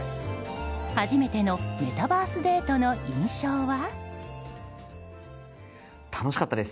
初めてのメタバースデートの印象は？